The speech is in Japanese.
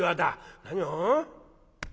「何を！